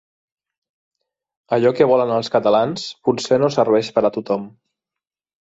Allò que volen els catalans potser no serveix per a tothom.